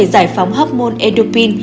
giải phóng hấp môn endopin